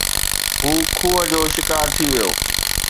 هو کوهه جو شڪار ٿي ويو